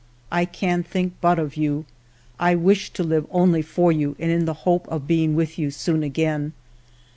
" I can think but of you ; I wish to live only for you and in the hope of being with you soon again.